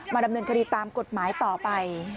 ดำเนินคดีตามกฎหมายต่อไป